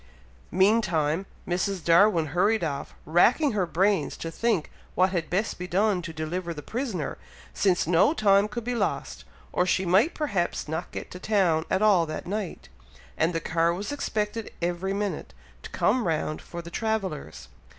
Meantime, Mrs. Darwin hurried off, racking her brains to think what had best be done to deliver the prisoner, since no time could be lost, or she might perhaps not get to town at all that night, and the car was expected every minute, to come round for the travellers.